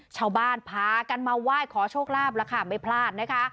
ชาวบ้านพากันมาไหว้ขอโชคลาภแล้วค่ะไม่พลาดนะคะ